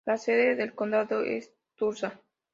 La sede del condado es Tulsa.